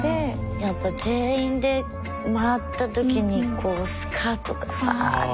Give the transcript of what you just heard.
やっぱ全員で回ったときにこうスカートがふわって。